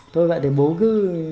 thôi vậy thì bố cứ